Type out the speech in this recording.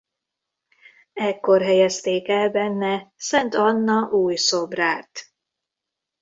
Ekkor helyezték el benne Szent Anna új szobrát.